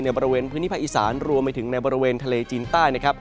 บริเวณพื้นที่ภาคอีสานรวมไปถึงในบริเวณทะเลจีนใต้นะครับ